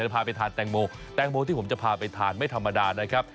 พาไปทานแตงโมแตงโมที่ผมจะพาไปทานไม่ธรรมดานะครับ